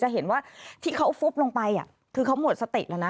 เห็นว่าที่เขาฟุบลงไปคือเขาหมดสติแล้วนะ